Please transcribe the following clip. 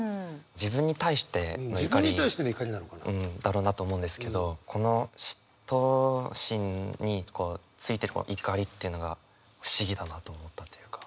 自分に対しての怒りだろうなと思うんですけどこの嫉妬心についてるこの怒りっていうのが不思議だなと思ったというか。